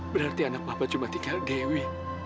berarti anak papa cuma tinggal dewi